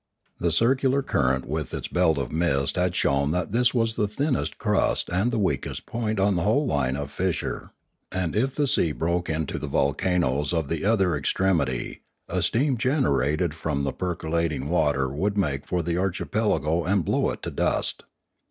The circular current with its belt of mist had shown that this was the thinnest crust and the weakest point on the whole line of fissure; and if the sea broke into the volcanoes of the other ex tremity, the steam generated from the percolating water would make for the archipelago and blow it to dust.